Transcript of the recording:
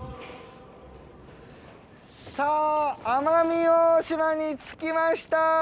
さあ奄美大島に着きました。